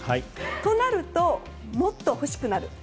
となると、もっと欲しくなる。